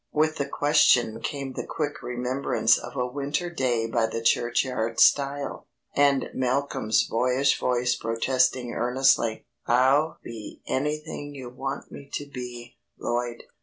With the question came the quick remembrance of a winter day by the churchyard stile, and Malcolm's boyish voice protesting earnestly "I'll be anything you want me to be, Lloyd."